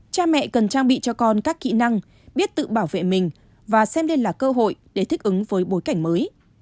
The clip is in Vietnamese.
cha mẹ cần trang bị cho con các kỹ năng biết tự bảo vệ mình và xem đây là cơ hội để thích ứng với bối cảnh mới